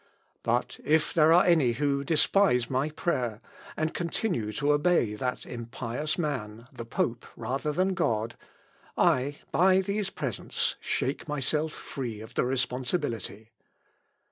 But if there are any who despise my prayer, and continue to obey that impious man, the pope, rather than God, I, by these presents, shake myself free of the responsibility.